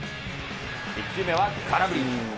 １球目は空振り。